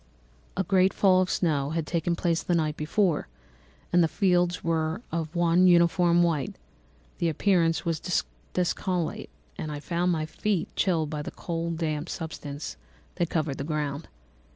A great fall of snow had taken place the night before, and the fields were of one uniform white; the appearance was disconsolate, and I found my feet chilled by the cold damp substance that covered the ground.